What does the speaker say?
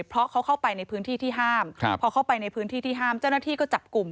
เพราะเขาเข้าไปในพื้นที่ที่ห้ามพอเข้าไปในพื้นที่ที่ห้ามเจ้าหน้าที่ก็จับกลุ่ม